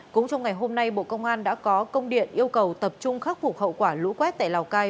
cũng trong ngày hôm nay bộ công an đã có công điện yêu cầu tập trung khắc phục hậu quả lũ quét tại lào cai